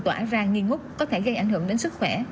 tỏa ra nghi ngút có thể gây ảnh hưởng đến sức khỏe